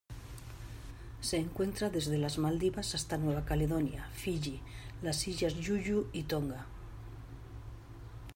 Se encuentra desde las Maldivas hasta Nueva Caledonia, Fiyi, las Islas Ryukyu y Tonga.